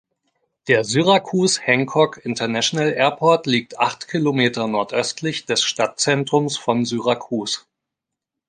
Der Syracuse Hancock International Airport liegt acht Kilometer nordöstlich des Stadtzentrums von Syracuse.